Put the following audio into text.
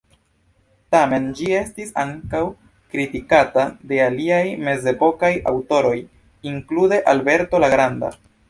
Tamen ĝi estis ankaŭ kritikata de aliaj mezepokaj aŭtoroj, inklude Alberto la Granda.